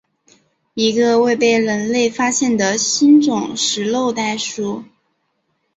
一个未被人类发现的新种食肉袋鼠。